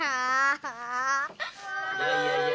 ya ya udah rio